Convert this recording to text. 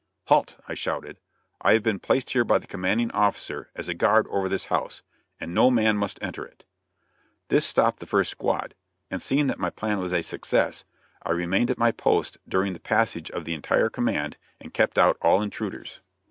"Halt!" I shouted; "I have been placed here by the commanding officer as a guard over this house, and no man must enter it." This stopped the first squad; and seeing that my plan was a success, I remained at my post during the passage of the entire command and kept out all intruders.